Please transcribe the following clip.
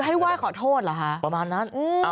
อะไรต่อประมาณนั้นนา